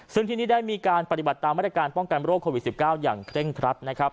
ซึ่งที่นี่ได้มีการปฏิบัติตามมาตรการป้องกันโรคโควิด๑๙อย่างเคร่งครัดนะครับ